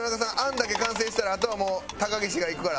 餡だけ完成したらあとはもう高岸がいくから。